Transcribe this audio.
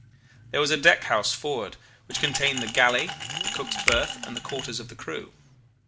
"There was a deck house forward, which contained the galley, the cook's berth, and the quarters of the crew.